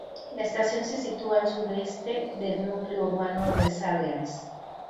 La estación se sitúa al sureste del núcleo urbano de Sargans.